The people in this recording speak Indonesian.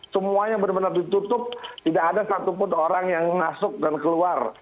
semuanya benar benar ditutup tidak ada satupun orang yang masuk dan keluar